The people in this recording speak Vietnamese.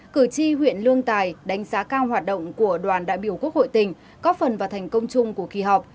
cử tri huyện lương tài đánh giá cao hoạt động của đoàn đại biểu quốc hội tỉnh góp phần vào thành công chung của kỳ họp